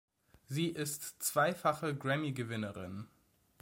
Sie ist zweifache Grammy-Gewinnerin.